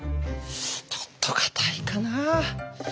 ちょっと堅いかな。